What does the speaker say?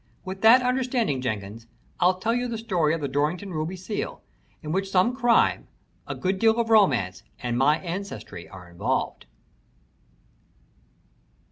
"With that understanding, Jenkins, I'll tell you the story of the Dorrington Ruby Seal, in which some crime, a good deal of romance, and my ancestry are involved."